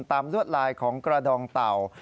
ลวดลายของกระดองเต่า